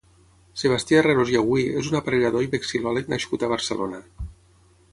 Sebastià Herreros i Agüí és un aparellador i vexilol·leg nascut a Barcelona.